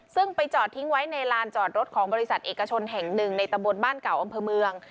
ซึ่งไปจอดทิ้งไว้ในลานจอดรถของบริษัทเอกชนแห่งหนึ่งในตะบนบ้านเก่าอำเภอเมือง